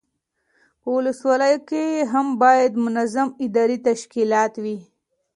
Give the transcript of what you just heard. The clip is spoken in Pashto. په ولسوالیو کې هم باید منظم اداري تشکیلات وي.